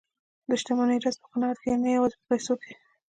د شتمنۍ راز په قناعت کې دی، نه یوازې په پیسو کې.